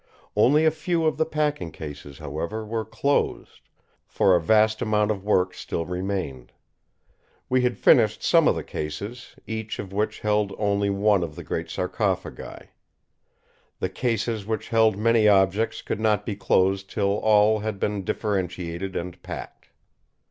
Only a few of the packing cases, however, were closed; for a vast amount of work still remained. We had finished some of the cases, each of which held only one of the great sarcophagi. The cases which held many objects could not be closed till all had been differentiated and packed.